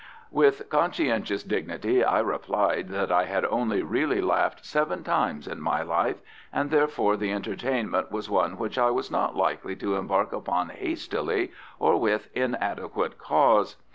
With conscientious dignity I replied that I had only really laughed seven times in my life, and therefore the entertainment was one which I was not likely to embark upon hastily or with inadequate cause.